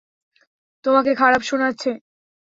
তোমাকে খারাপ শোনাচ্ছে।